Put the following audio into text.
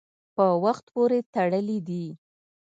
په وخت پورې تړلي دي.